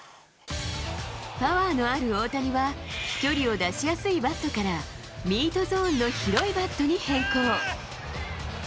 パワーのある大谷は、飛距離を出しやすいバットから、ミートゾーンの広いバットに変更。